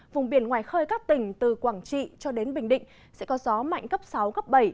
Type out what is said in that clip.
vùng biển ngoài khơi các tỉnh từ quảng trị cho đến bình định sẽ có gió mạnh cấp sáu cấp bảy